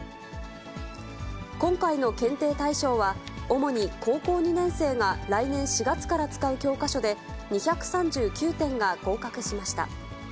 今回の検定対象は、主に高校２年生が来年４月から使う教科書で、２３９点が合格しました。